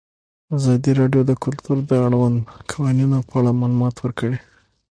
ازادي راډیو د کلتور د اړونده قوانینو په اړه معلومات ورکړي.